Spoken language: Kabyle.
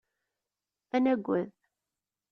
Ad nagad.